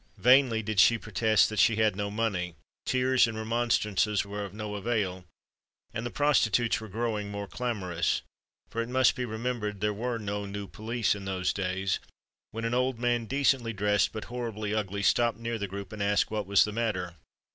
Vainly did she protest that she had no money: tears and remonstrances were of no avail; and the prostitutes were growing more clamorous,—for, it must be remembered, there were no New Police in those days,—when an old man, decently dressed, but horribly ugly, stopped near the group and asked what was the matter.